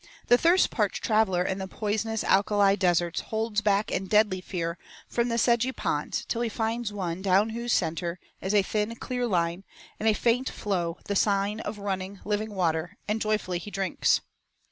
The thirst parched traveller in the poisonous alkali deserts holds back in deadly fear from the sedgy ponds till he finds one down whose centre is a thin, clear line, and a faint flow, the sign of running, living water, and joyfully he drinks.